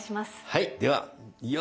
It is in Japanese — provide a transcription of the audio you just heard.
はい。